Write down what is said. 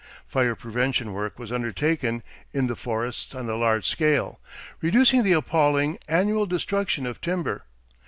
Fire prevention work was undertaken in the forests on a large scale, reducing the appalling, annual destruction of timber.